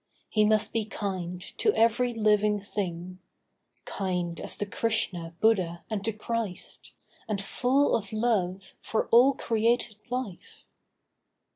He must be kind to every living thing; Kind as the Krishna, Buddha and the Christ, And full of love for all created life.